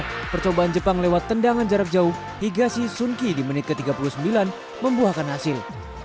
setelah percobaan jepang lewat tendangan jarak jauh higashi sunki di menit ke tiga puluh sembilan membuahkan hasil